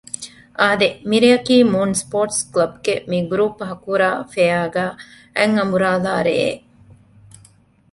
އާދެ! މިރެއަކީ މޫން ސްޕޯރޓްސް ކްލަބްގެ މިގްރޫޕް ހަކުރާފެއަރގައި އަތްއަނބުރާލާ ރެއެއް